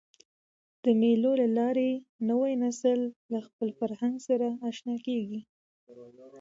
د مېلو له لاري نوی نسل له خپل فرهنګ سره اشنا کېږي.